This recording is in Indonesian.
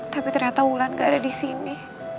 tapi ternyata wulan gak ada disini